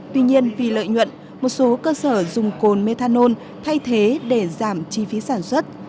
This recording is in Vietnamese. tuy nhiên vì lợi nhuận một số cơ sở dùng cồn methanol thay thế để giảm chi phí sản xuất